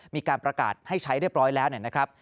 มีการประกาศให้ใช้เรียบร้อยแล้วนะครับ